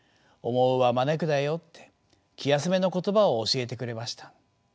「思うは招くだよ」って気休めの言葉を教えてくれました。